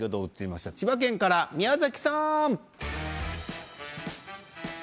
千葉県から宮崎さん。